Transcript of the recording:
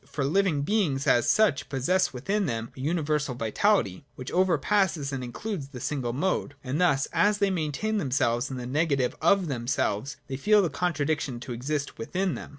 For living beings as such possess within them a universal vitality, which overpasses and includes the single mode ; and thus, as they maintain themselves in the negative of themselves, they feel the contradiction to exist within them.